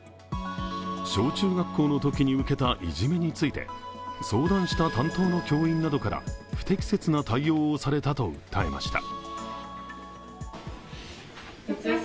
小中学校のときに受けたいじめについて、相談した担当の教員などから不適切な対応をされたと訴えました。